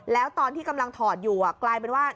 แล้วตอนที่กำลังถอดอยู่กลายเป็นว่า